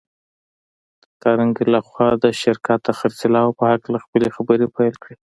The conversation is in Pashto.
د کارنګي لهخوا د شرکت د خرڅلاو په هکله خپلې خبرې پيل کړې.